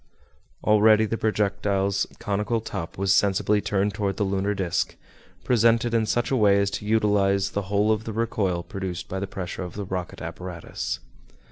Already the projectile's conical top was sensibly turned toward the lunar disc, presented in such a way as to utilize the whole of the recoil produced by the pressure of the rocket apparatus.